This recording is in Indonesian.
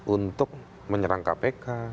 untuk menyerang kpk